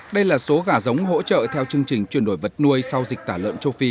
đây là số gà giống hỗ trợ theo chương trình chuyển đổi vật nuôi sau dịch tả lợn châu phi